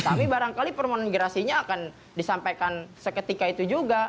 tapi barangkali pemengerasinya akan disampaikan seketika itu juga